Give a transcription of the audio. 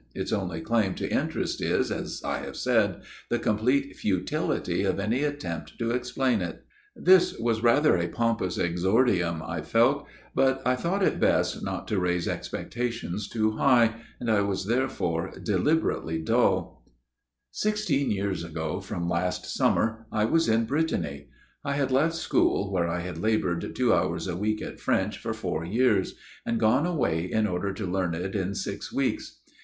Its only claim to interest is, as I have said, the complete futility of any attempt to explain it." This was rather a pompous exordium, I felt ; but I thought it best not to raise expectations too high ; and I was therefore deliberately dull. MY OWN TALE 287 " Sixteen years ago from last summer, I was in Brittany. I had left school where I had laboured two hours a week at French for four years ; and gone away in order to learn it in six weeks.